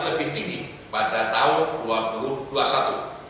lebih tinggi pada tahun dua ribu dua puluh satu